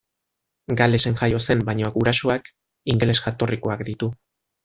Galesen jaio zen, baina gurasoak ingeles jatorrikoak ditu.